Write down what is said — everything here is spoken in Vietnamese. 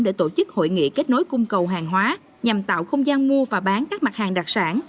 để tổ chức hội nghị kết nối cung cầu hàng hóa nhằm tạo không gian mua và bán các mặt hàng đặc sản